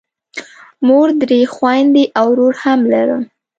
مور، درې خویندې او ورور هم لرم.